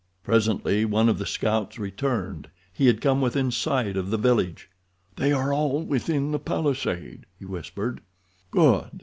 Presently one of the scouts returned. He had come within sight of the village. "They are all within the palisade," he whispered. "Good!"